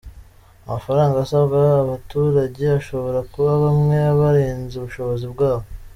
Amafaranga asabwa abaturage ashobora kuba bamwe aba arenze ubushobozi bwabo.